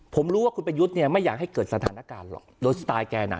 ผมรู้ว่าคุณประยุทธ์เนี่ยไม่อยากให้เกิดสถานการณ์หรอกโดยสไตล์แกน่ะ